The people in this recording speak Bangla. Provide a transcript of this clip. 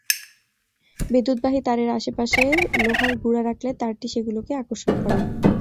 বিদ্যুৎবাহী তারের আশপাশে লোহার গুঁড়া রাখলে তারটি সেগুলোকে আকর্ষণ করে।